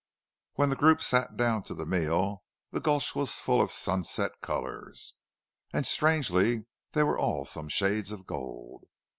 When the group sat down to the meal the gulch was full of sunset colors. And, strangely, they were all some shade of gold.